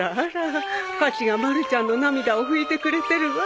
ハチがまるちゃんの涙を拭いてくれてるわ。